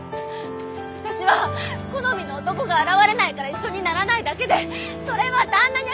私は好みの男が現れないから一緒にならないだけでそれは旦那にゃ